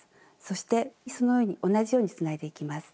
そしてその上に同じようにつないでいきます。